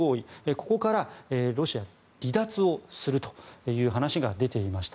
ここからロシアは離脱をするという話が出ていました。